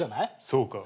そうか。